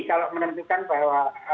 kalau menentukan bahwa